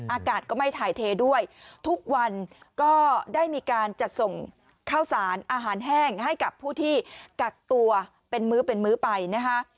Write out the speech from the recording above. อากาศก็ไม่ถ่ายเทด้วยทุกวันก็ได้มีการจัดส่งข้าวสารอาหารแห้งให้กับผู้ที่กักตัวเป็นมื้อเป็นมื้อไปนะคะ